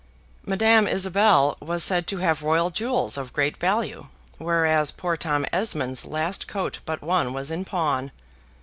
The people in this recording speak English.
Madame Isabel was said to have Royal jewels of great value; whereas poor Tom Esmond's last coat but one was in pawn.